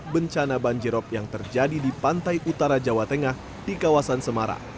bencana banjirop yang terjadi di pantai utara jawa tengah di kawasan semarang